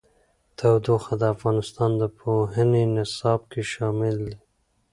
تودوخه د افغانستان د پوهنې نصاب کې شامل دي.